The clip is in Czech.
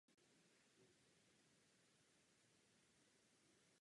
Evropská rada rovněž musí pokročit v oblasti aktivního politického programu.